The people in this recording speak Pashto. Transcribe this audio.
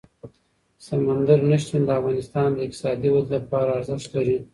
سمندر نه شتون د افغانستان د اقتصادي ودې لپاره ارزښت لري.